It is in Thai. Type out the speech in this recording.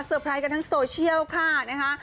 ไพรส์กันทั้งโซเชียลค่ะนะคะ